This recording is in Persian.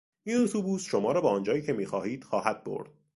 این اتوبوس شما را به آنجایی که میخواهید خواهد برد.